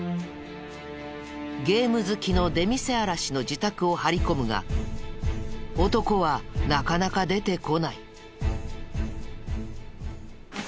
ゲーム好きの出店あらしの自宅を張り込むが男はなかなか出てこない。